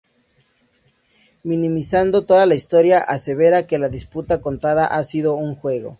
Minimizando toda la historia, asevera que la disputa contada ha sido un juego.